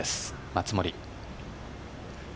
松森。